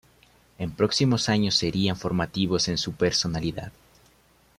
Los próximos años serían formativos en su personalidad.